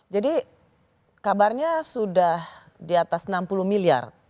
jadi kabarnya sudah di atas enam puluh miliar